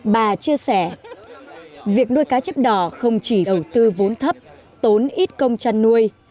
bà chia sẻ việc nuôi cá chép đỏ không chỉ đầu tư vốn thấp tốn ít công chăn nuôi